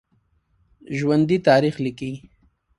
ژوندي تاریخ لیکي